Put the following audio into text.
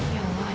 ya allah andin